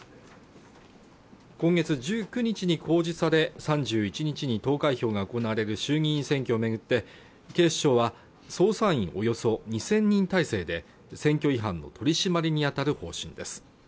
今月１９日に公示され３１日に投開票が行われる衆議院選挙をめぐって警視庁は捜査員およそ２０００人態勢で選挙違反の取締りに当たる方針です